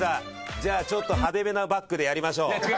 じゃあちょっと派手めなバックでやりましょう。